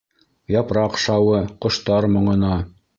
Япраҡ шауы, ҡоштар моңона.